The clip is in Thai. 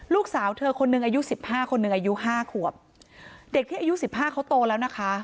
ลูกสาวเธอคนหนึ่งอายุสิบห้าคนหนึ่งอายุห้าขวบเด็กที่อายุสิบห้าเขาโตแล้วนะคะ